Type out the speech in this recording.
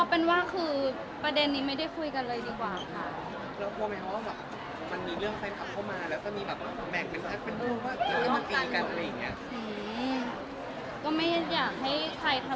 เราก็เข้าใจถึงกันแล้วกันว่ามันต้องมีเรื่องอีกส่วนขึ้น